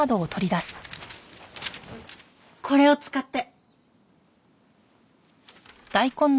これを使って。